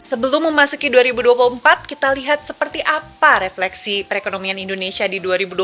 sebelum memasuki dua ribu dua puluh empat kita lihat seperti apa refleksi perekonomian indonesia di dua ribu dua puluh